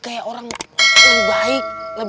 kayak orang baik